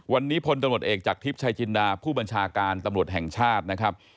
วันนี้พลตำรวจเอกจากทิพย์ชายจินดาผู้บัญชาการตำรวจแห่งชาตินะครับ